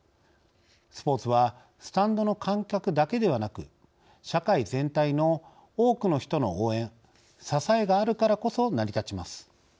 スポーツはスタンドの観客だけではなく社会全体の多くの人の応援支えがあるからこそ成り立ちます。